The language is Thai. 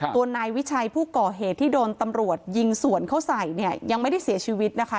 ตัวนายวิชัยผู้ก่อเหตุที่โดนตำรวจยิงสวนเขาใส่เนี่ยยังไม่ได้เสียชีวิตนะคะ